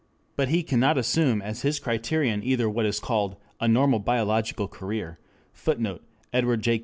But he cannot assume as his criterion either what is called a "normal biological career" [Footnote: Edward J.